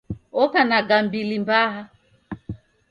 Oka na gambili mbaha